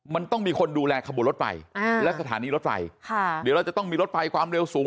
มันต้องมีคนดูแลขบวนรถไฟและสถานีรถไฟค่ะเดี๋ยวเราจะต้องมีรถไฟความเร็วสูง